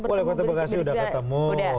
wali kota bekasi udah ketemu